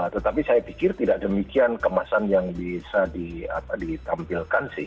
tetapi saya pikir tidak demikian kemasan yang bisa ditampilkan sih